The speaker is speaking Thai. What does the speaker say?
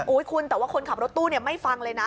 คุณแต่ว่าคนขับรถตู้ไม่ฟังเลยนะ